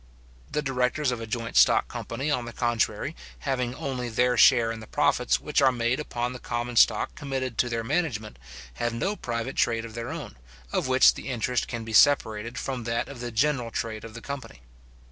The directors of a joint stock company, on the contrary, having only their share in the profits which are made upon the common stock committed to their management, have no private trade of their own, of which the interest can be separated from that of the general trade of the company.